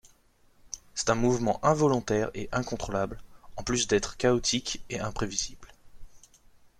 C'est un mouvement involontaire et incontrôlable, en plus d’être chaotique et imprévisible.